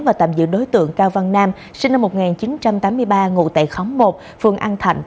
và tạm giữ đối tượng cao văn nam sinh năm một nghìn chín trăm tám mươi ba ngụ tại khóm một phường an thạnh